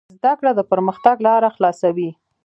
زده کړه د پرمختګ لاره خلاصوي.